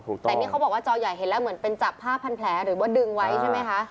แต่นี่เขาบอกว่าจอใหญ่เห็นแล้วเหมือนเป็นจับผ้าพันแผลหรือว่าดึงไว้ใช่ไหมคะ